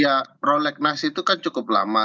ya prolegnas itu kan cukup lama